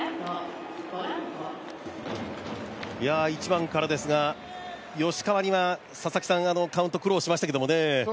１番からですが、吉川にはカウント、苦労しましたけれどもね。